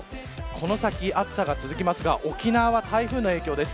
この先、暑さが続きますが沖縄は台風の影響です。